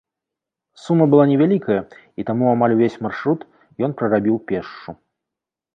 Сума была невялікая, і таму амаль увесь маршрут ён прарабіў пешшу.